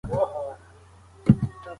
د سینې سرطان د اضافي غوړو سره تړلی دی.